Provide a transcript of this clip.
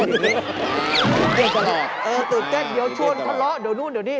เออตื่นเต้นเย้าชนข้าวล้อเดี๋ยวนู่นเดี๋ยวนี่